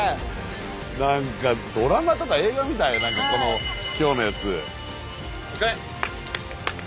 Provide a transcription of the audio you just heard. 何かドラマとか映画みたい何かこの今日のやつ。